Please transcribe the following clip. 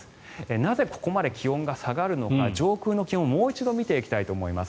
なぜ、ここまで気温が下がるのか上空の気温を、もう一度見ていきたいと思います。